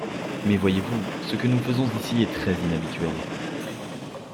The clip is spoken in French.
Mais voyez-vous, ce que nous faisons ici est très inhabituel.